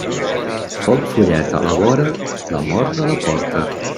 Foc follet a la vora, la mort a la porta.